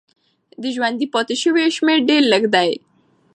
د ژوندي پاتې سویو شمېر ډېر لږ دی.